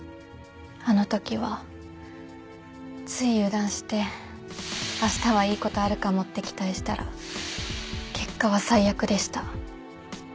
あの時はつい油断して明日はいい事あるかもって期待したら結果は最悪でした。